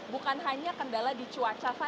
dan yang terdapat di atas